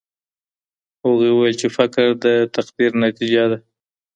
هغوی ويل چي فقر د تقدير نتيجه ده.